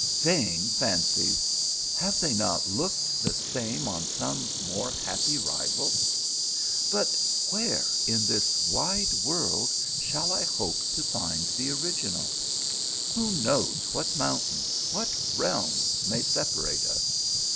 Vaii fancies ! Have they not looked the same on some more happy rival ? But where in this wide world shall I hope to find the original ? Who knows what mountains, what realms may separate us?